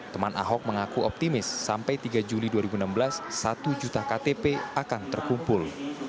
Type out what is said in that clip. teman ahok mengaku optimis sampai tiga juli dua ribu enam belas satu juta ktp akan terkumpul